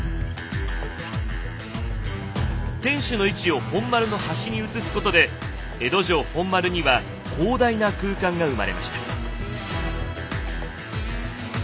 天守の位置を本丸の端に移すことで江戸城本丸には広大な空間が生まれました。